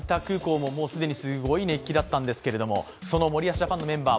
もう既にすごい熱気だったんですけれども、その森保ジャパンのメンバー